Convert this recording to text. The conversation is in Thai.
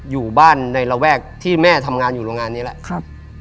อยู่บ้านในระแวกที่แม่ทำงานอยู่โรงงานนี้แหละครับ